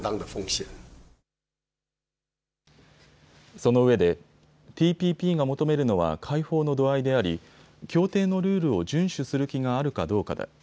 そのうえでＴＰＰが求めるのは開放の度合いであり協定のルールを順守する気があるかどうかだ。